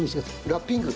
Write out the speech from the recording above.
ラッピング？